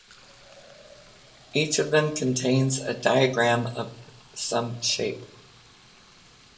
Each of them contains a diagram of some shape.